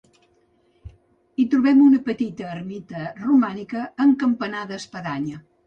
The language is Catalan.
Hi trobem una petita ermita romànica amb campanar d'espadanya.